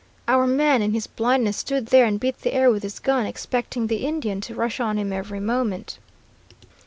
Our man, in his blindness, stood there and beat the air with his gun, expecting the Indian to rush on him every moment.